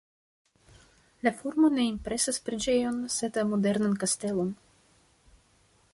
La formo ne impresas preĝejon, sed modernan kastelon.